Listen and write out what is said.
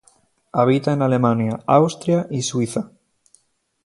Habita en Alemania, Austria y Suiza.